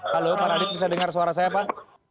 halo pak radik bisa dengar suara saya pak